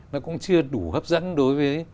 nó cũng chưa đủ hấp dẫn đối với